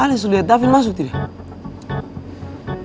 ales tuh liat davin masuk tidak